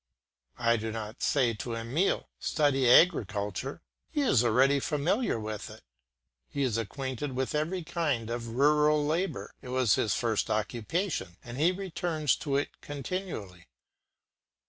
I do not say to Emile, "Study agriculture," he is already familiar with it. He is acquainted with every kind of rural labour, it was his first occupation, and he returns to it continually.